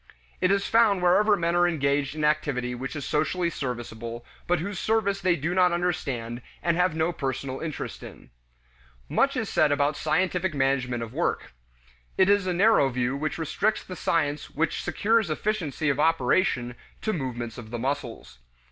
It is found wherever men are engaged in activity which is socially serviceable, but whose service they do not understand and have no personal interest in. Much is said about scientific management of work. It is a narrow view which restricts the science which secures efficiency of operation to movements of the muscles.